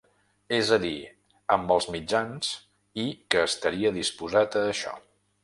És a dir, amb els mitjans, i que estaria disposat a això.